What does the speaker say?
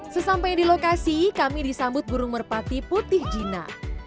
sesampai di lokasi kami disambut burung merpati putih jina